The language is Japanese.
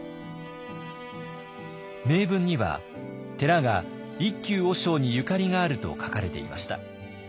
銘文には寺が一休和尚にゆかりがあると書かれていました。